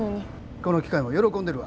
この機械も喜んでるわ。